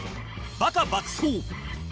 「バカ爆走！」